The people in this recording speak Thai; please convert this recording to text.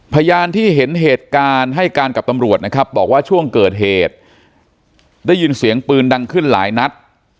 พยานที่เห็นเหตุการณ์ให้การกับตำรวจนะครับบอกว่าช่วงเกิดเหตุได้ยินเสียงปืนดังขึ้นหลายนัด